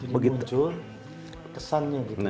jadi muncul kesannya gitu ya